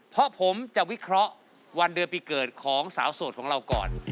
เพราะผมจะวิเคราะห์วันเดือนปีเกิดของสาวโสดของเราก่อน